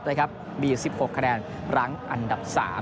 มี๑๖คะแนนรั้งอันดับ๓